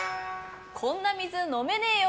こんな水飲めねぇよ